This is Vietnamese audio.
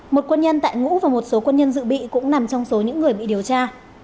một quân nhân tại ngũ và một số quân nhân dự bị cũng nằm trong số những người bị điều tra